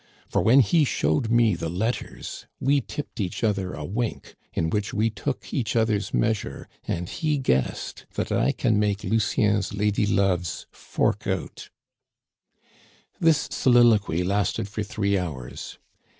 For when he showed me the letters we tipped each other a wink in which we took each other's measure, and he guessed that I can make Lucien's lady loves fork out." This soliloquy lasted for three hours.